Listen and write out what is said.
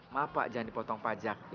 maaf pak jangan dipotong pajak